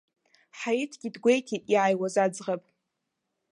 Ҳаиҭгьы дгәеиҭеит иааиуаз аӡӷаб.